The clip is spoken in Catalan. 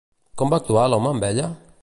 Com va actuar l'home amb ella?